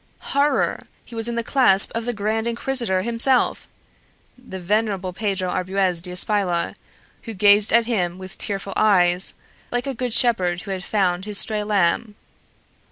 Horror! He was in the clasp of the Grand Inquisitor himself, the venerable Pedro Arbuez d'Espila, who gazed at him with tearful eyes, like a good shepherd who had found his stray lamb.